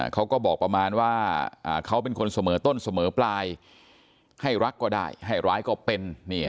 เขาก็บอกประมาณว่าเขาเป็นคนเสมอต้นเสมอปลายให้รักก็ได้ให้ร้ายก็เป็น